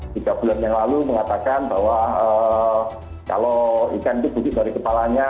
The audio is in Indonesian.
tiga bulan yang lalu mengatakan bahwa kalau ikan itu butik dari kepalanya